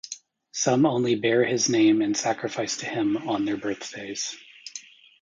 Some only bear his name and sacrifice to him on their birthdays.